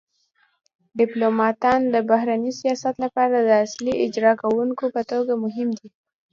ډیپلوماتان د بهرني سیاست لپاره د اصلي اجرا کونکو په توګه مهم دي